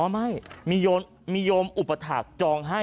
อ๋อไงมีโยมอุปถักจองให้